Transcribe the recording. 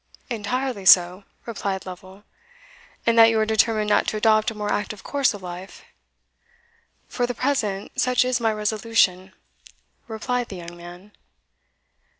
"Entirely so," replied Lovel. "And that you are determined not to adopt a more active course of life?" "For the present, such is my resolution," replied the young man.